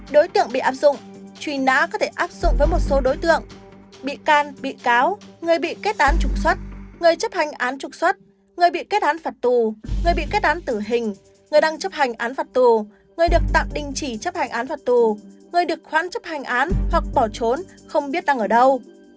đối tượng bị áp dụng truy nã có thể áp dụng với một số đối tượng bị can bị cáo người bị kết án trục xuất người chấp hành án trục xuất người bị kết án phạt tù người bị kết án tử hình người đang chấp hành án phạt tù người được tạm đình chỉ chấp hành án phạt tù người được khoán chấp hành án hoặc bỏ trốn không biết đang ở đâu